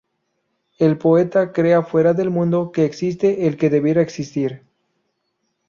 El poeta crea fuera del mundo que existe el que debiera existir.